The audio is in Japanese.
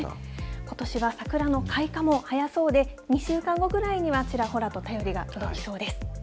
ことしは桜の開花も早そうで、２週間後ぐらいには、ちらほらと便りが届きそうです。